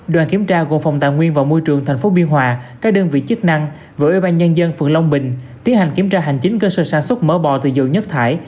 đoàn kiểm tra gồm phòng tài nguyên và môi trường tp biên hòa các đơn vị chức năng và ủy ban nhân dân phường long bình tiến hành kiểm tra hành chính cơ sở sản xuất mỡ bò bò từ dầu nhất thải